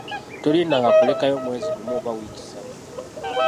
Tolindanga kulekayo mwezi gumu oba wiiki ssatu.